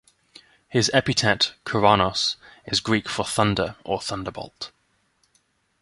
His epithet "Keraunos" is Greek for "Thunder" or "Thunderbolt".